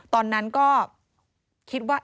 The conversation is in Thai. ตอนนั้นก็คิดว่า